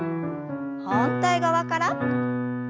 反対側から。